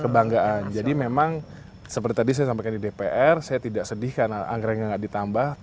kebanggaan jadi memang seperti tadi saya sampaikan di dpr saya tidak sedih karena anggarannya tidak ditambah